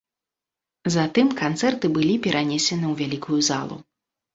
Затым канцэрты былі перанесены ў вялікую залу.